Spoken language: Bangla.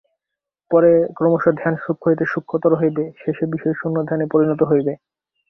পরে ক্রমশ ধ্যান সূক্ষ্ম হইতে সূক্ষ্মতর হইবে, শেষে বিষয়শূন্য ধ্যানে পরিণত হইবে।